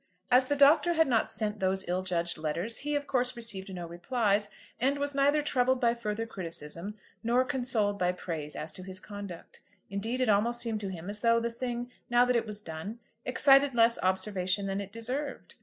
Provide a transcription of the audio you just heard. As the Doctor had not sent those ill judged letters he of course received no replies, and was neither troubled by further criticism nor consoled by praise as to his conduct. Indeed, it almost seemed to him as though the thing, now that it was done, excited less observation than it deserved.